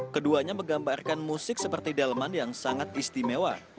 keduanya menggambarkan musik seperti delman yang sangat istimewa